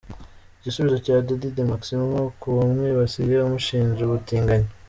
Igisubizo cya Dady de Maximo ku wamwibasiye amushinja ubutinganyi.